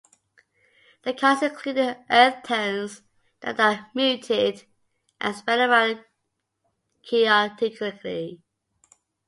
The colors included earth tones that are muted and spread around chaotically.